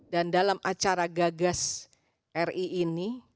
dan dalam acara gagas ri ini